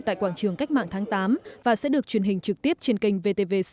tại quảng trường cách mạng tháng tám và sẽ được truyền hình trực tiếp trên kênh vtv sáu